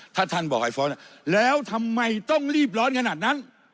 ถ้าท่านบอกให้ฟ้อนแล้วทำไมต้องรีบร้อนขนาดนั้น